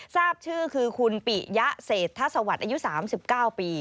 ทราบชื่อคือคุณปิยะเศรษฐสวรรค์อายุ๓๙ปี